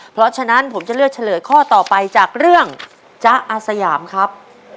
เพราะฉะนั้นผมจะเลือกเฉลยข้อต่อไปจากเรื่องจ๊ะอาสยามครับ